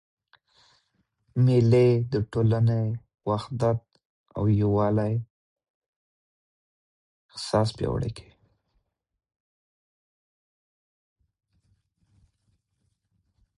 مېلې د ټولني د وحدت او یووالي احساس پیاوړی کوي.